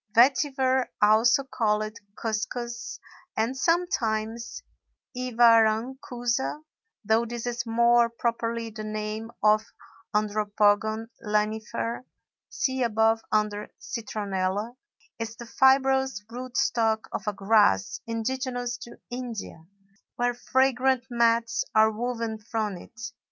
Vetiver, also called cuscus, and sometimes iwarankusa (though this is more properly the name of Andropogon lanifer; see above, under Citronella), is the fibrous root stock of a grass indigenous to India, where fragrant mats are woven from it.